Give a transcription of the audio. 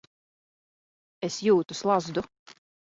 Es jūtu slazdu.